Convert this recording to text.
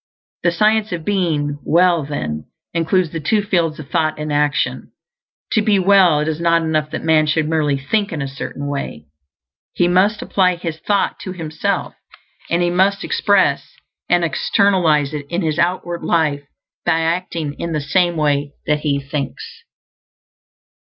The Science of Being Well, then, includes the two fields of thought and action. To be well it is not enough that man should merely think in a Certain Way; he must apply his thought to himself, and he must express and externalize it in his outward life by acting in the same way that he thinks.